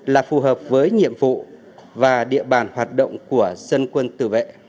là phù hợp với nhiệm vụ và địa bàn hoạt động của dân quân tự vệ